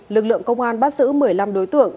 lực lượng công an bắt giữ một mươi năm đối tượng